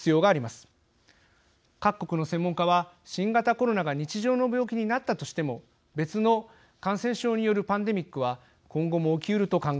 各国の専門家は新型コロナが日常の病気になったとしても別の感染症によるパンデミックは今後も起きうると考えています。